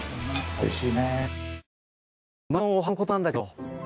おいしい？